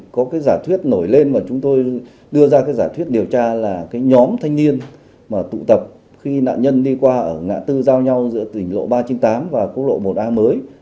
có giả thuyết nổi lên và chúng tôi đưa ra giả thuyết điều tra là nhóm thanh niên tụ tập khi nạn nhân đi qua ở ngã tư giao nhau giữa tỉnh lộ ba trăm chín mươi tám và quốc lộ một a mới